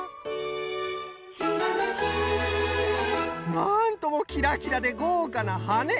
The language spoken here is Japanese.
なんともきらきらでごうかなはね！